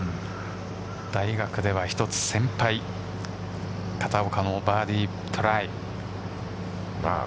大学では１つ先輩片岡もバーディートライ。